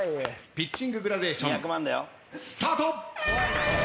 ピッチンググラデーションスタート。